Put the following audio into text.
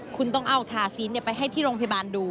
คุณต้องเอาทาซีนไปให้ที่โรงพยาบาลดู